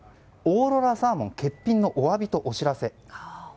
オーロラサーモン欠品のお詫びとお知らせ。